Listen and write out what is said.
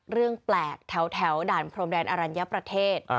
เรื่องแปลกแถวด่านพรมแดนอรัญญประเทศ